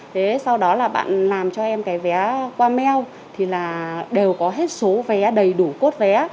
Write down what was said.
thế sau đó là bạn làm cho em cái vé qua mail thì là đều có hết số vé đầy đủ cốt vé